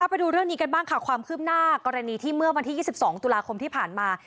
ไปดูเรื่องนี้กันบ้างค่ะความคืบหน้ากรณีที่เมื่อวันที่๒๒ตุลาคมที่ผ่านมา